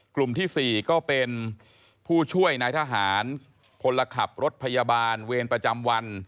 กลุ่มที่๔ก็เป็นผู้ช่วยนายทหารพลขับรถพยาบาลเวรประจำวัน